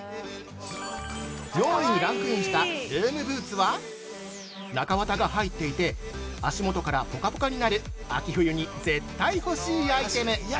◆４位にランクインしたルームブーツは中綿が入っていて、足元からぽかぽかになる秋冬に絶対に欲しいアイテム。